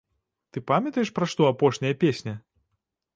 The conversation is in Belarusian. Ты памятаеш, пра што апошняя песня!?